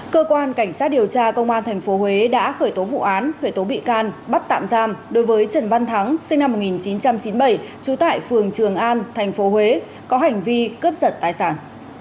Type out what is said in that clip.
cơ quan cảnh sát điều tra công an tp huế đã khởi tố vụ án khởi tố bị can bắt tạm giam đối với trần văn thắng sinh năm một nghìn chín trăm chín mươi bảy trú tại phường trường an tp huế có hành vi cướp giật tài sản